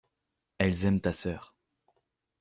Elles aiment ta sœur.